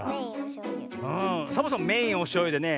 んサボさんメインはおしょうゆでね